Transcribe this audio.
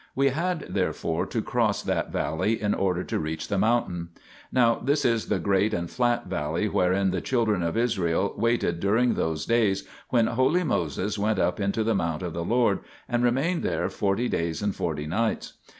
We had, therefore, to cross that valley in order to reach the mountain. Now this is the great and flat valley wherein the children of Israel waited during those days when holy Moses went up into the mount of the Lord and remained there forty days and forty nijhts.